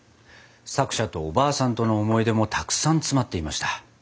作者とおばあさんとの思い出もたくさん詰まっていました。